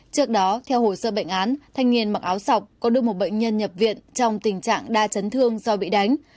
trước đó theo hồ sơ bệnh án thanh niên mặc áo sọc có đưa một bệnh nhân nhập viện trong tình trạng đa chấn thương do bị đánh